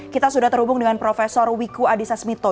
kita sudah terhubung dengan prof wiku adhisa smito